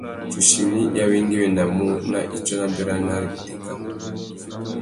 Tsuchimi i awéngüéwinamú nà itsôna béranari itéka.